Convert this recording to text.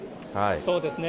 そうですね。